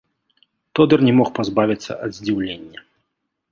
Тодар не мог пазбавіцца ад здзіўлення.